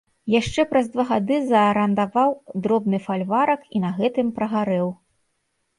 Яшчэ праз два гады заарандаваў дробны фальварак і на гэтым прагарэў.